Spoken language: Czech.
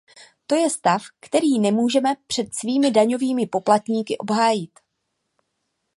To je stav, který nemůžeme před svými daňovými poplatníky obhájit.